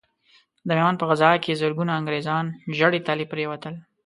د ميوند په غزا کې زرګونه انګرېزان ژړې تلې پرې وتل.